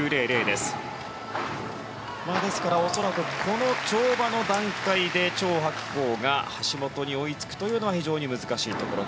ですから、恐らくこの跳馬の段階でチョウ・ハクコウが橋本に追いつくというのは非常に難しいというところ。